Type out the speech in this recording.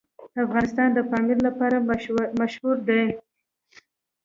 افغانستان د پامیر لپاره مشهور دی.